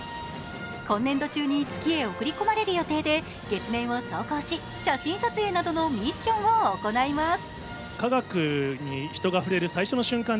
今年度中に月へ送り込まれる予定で月面を走行し、写真撮影などのミッションを行います。